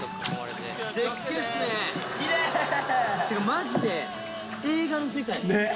マジで映画の世界。